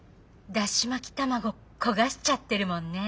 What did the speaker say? だし巻き卵焦がしちゃってるもんね。